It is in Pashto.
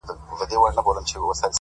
ساده فکر ژور سکون راولي،